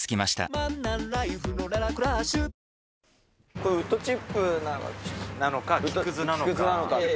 これ、ウッドチップなのか、木くずなのか。